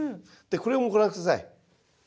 でこれをご覧下さい。